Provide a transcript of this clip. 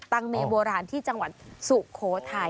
๐๓๐๔๐๓๗๖๗ตังเมโบราณที่จังหวัดสุโขไทย